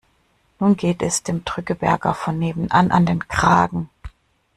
Nun geht es dem Drückeberger von nebenan an den Kragen.